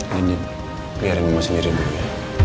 nanti biarin mama sendiri dulu ya